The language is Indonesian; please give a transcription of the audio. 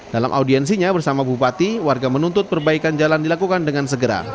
dalam audiensinya bersama bupati warga menuntut perbaikan jalan dilakukan dengan segera